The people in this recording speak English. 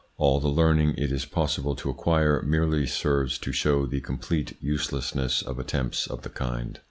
All the learning it is possible to acquire merely serves to show the complete uselessness of attempts of the kind.